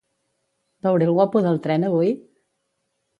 Veuré el guapo del tren avui?